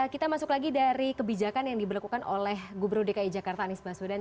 kita masuk lagi dari kebijakan yang diberlakukan oleh gubernur dki jakarta anies baswedan